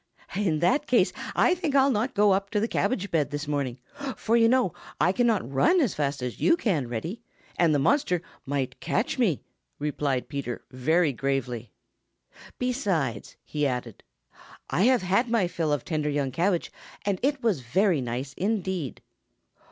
"In that case, I think I'll not go up to the cabbage bed this morning, for you know I cannot run as fast as you can, Reddy, and the monster might catch me," replied Peter, very gravely. "Besides," he added, "I have had my fill of tender young cabbage, and it was very nice indeed."